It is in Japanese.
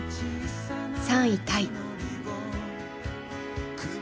３位タイ。